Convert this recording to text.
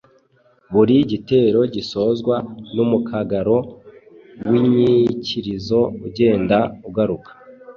Buri gitero gisozwa n’umukarago w’inyikirizo ugenda ugaruka.